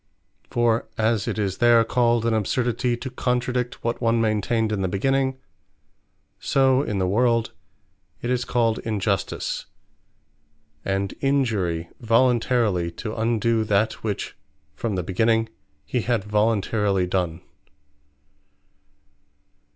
For as it is there called an Absurdity, to contradict what one maintained in the Beginning: so in the world, it is called Injustice, and Injury, voluntarily to undo that, which from the beginning he had voluntarily done.